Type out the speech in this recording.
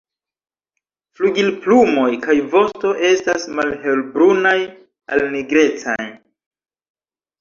Flugilplumoj kaj vosto estas malhelbrunaj al nigrecaj.